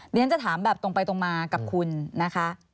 เรียนจะถามแบบตรงไปตรงมากับคุณนะคะ